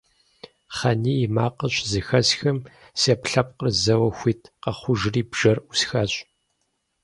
Хъаний и макъыр щызэхэсхым, си Ӏэпкълъэпкъыр зэуэ хуит къэхъужри бжэр Ӏусхащ.